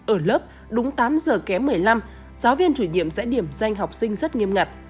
ở lớp đúng tám giờ kém một mươi năm giáo viên chủ nhiệm sẽ điểm danh học sinh rất nghiêm ngặt